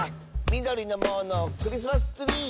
「みどりのものクリスマスツリー！」